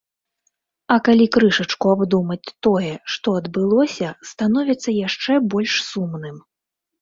А калі крышачку абдумаць тое, што адбылося, становіцца яшчэ больш сумным.